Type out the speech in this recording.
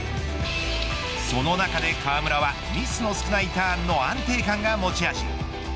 その中で川村はミスの少ないターンの安定感が持ち味。